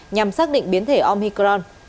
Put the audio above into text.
nhằm xác định biến thể omicron